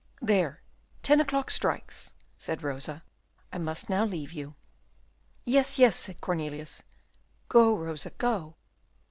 "There, ten o'clock strikes," said Rosa, "I must now leave you." "Yes, yes," said Cornelius, "go, Rosa, go!"